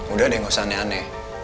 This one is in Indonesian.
udah deh gak usah aneh aneh